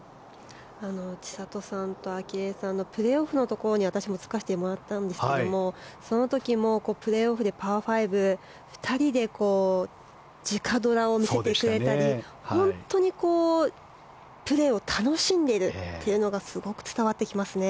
千怜さんと明愛さんのプレーオフのところに私もつかせてもらったんですけどその時もプレーオフでパー５、２人で直ドラを見せてくれたり本当にプレーを楽しんでいるというのがすごく伝わってきますね。